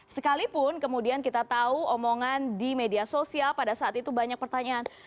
sekalipun kemudian kita tahu omongan di media sosial pada saat itu banyak pertanyaan